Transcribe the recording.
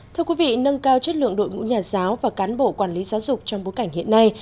thưa quý vị nâng cao chất lượng đội ngũ nhà giáo và cán bộ quản lý giáo dục trong bối cảnh hiện nay